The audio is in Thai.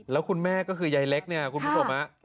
แล้วคุณแม่ก็คือยายเล็กเนี่ยคุณผู้ชม